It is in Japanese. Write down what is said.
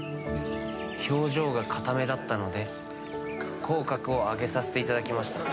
表情が固めだったので口角を上げさせていただきました。